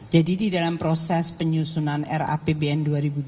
di dalam proses penyusunan rapbn dua ribu dua puluh